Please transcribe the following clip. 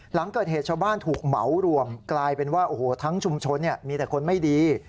หลังเกิดเหตุชาวบ้านถูกเหมารวมกลายเป็นว่าโอ้โหทั้งชุมชนมีแต่คนไม่ดี